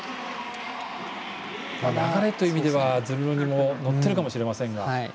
流れという意味ではズルロニも乗っているかもしれませんが。